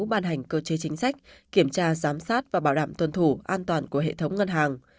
ban hành cơ chế chính sách kiểm tra giám sát và bảo đảm tuân thủ an toàn của hệ thống ngân hàng